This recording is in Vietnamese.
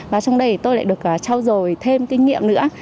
và trong đây tôi lại được trao dồi thêm kinh nghiệm nữa